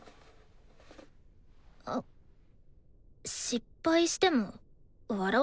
あっ失敗しても笑わないでよね。